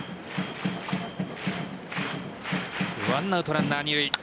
１アウトランナー二塁。